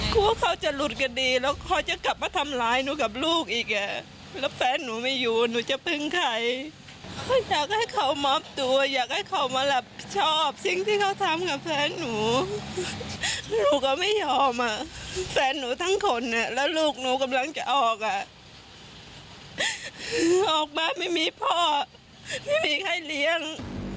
พ่อพี่บี้งให้เลี้ยง